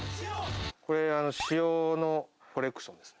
これ、塩のコレクションです。